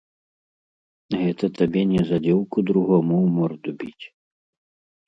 Гэта табе не за дзеўку другому ў морду біць!